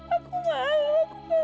aku malu aku gak mau